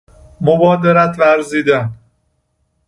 مبادرت ورزیدن